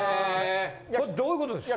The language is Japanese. これどういうことですか？